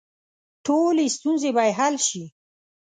ټولې ستونزې به یې حل شي.